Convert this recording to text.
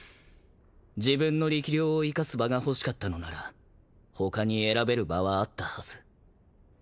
自分の力量を生かす場が欲しかったのなら他に選べる場はあったはず。